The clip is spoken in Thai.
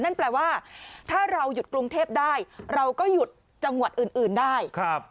นั่นแปลว่าถ้าเราหยุดกรุงเทพได้เราก็หยุดจังหวัดอื่นได้